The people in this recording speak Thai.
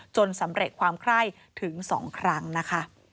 สำเร็จความไคร้ถึง๒ครั้งนะคะ